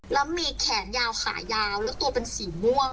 แล้วมีแขนยาวขายาวแล้วตัวเป็นสีม่วง